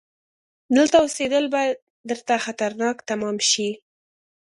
دلته اوسيدل به درته خطرناک تمام شي!